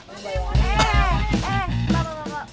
eh eh pak pak pak